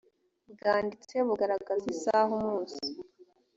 bwanditse bugaragaza isaha umunsi